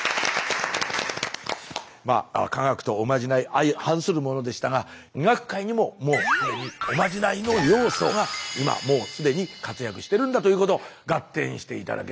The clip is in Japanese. まあ科学とおまじない相反するものでしたが医学界にももう既におまじないの要素が今もう既に活躍してるんだということガッテンして頂けましたでしょうか？